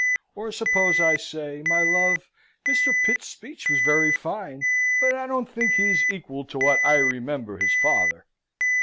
Or, suppose I say, "My love, Mr. Pitt's speech was very fine, but I don't think he is equal to what I remember his father."